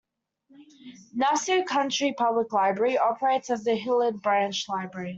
Nassau County Public Library operates the Hilliard Branch Library.